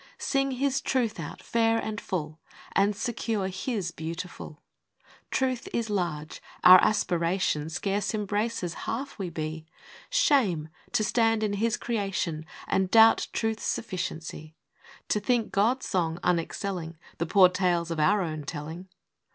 Sing His Truth out fair and full, And secure His beautiful. Truth is large. Our aspiration Scarce embraces half we be. Shame ! to stand in His creation And doubt Truth's sufficiency! To think God's song unexcelling The poor tales of our own telling.